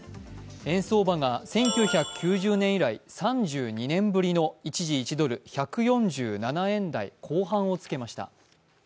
円相場が１９９０年以来、３２年ぶりの一時、１ドル＝１４７円台後半をつけました。